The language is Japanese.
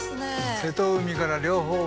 瀬戸海から両方が。